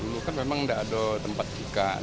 bukan memang tidak ada tempat ikan